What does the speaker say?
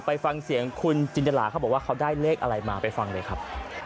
ไปฟังเสียงคุณจินตราเขาบอกว่าเขาได้เลขอะไรมาไปฟังเลยครับ